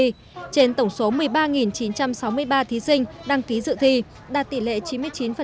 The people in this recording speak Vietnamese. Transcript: trên tổng số một mươi ba chín trăm sáu mươi ba thí sinh đăng ký dự thi đạt tỷ lệ chín mươi chín